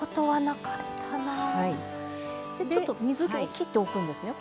でちょっと水けをきっておくんですね。